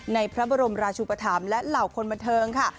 ในพระบรมราชุปธรรมและเหล่าคนบันเทิงค่ะ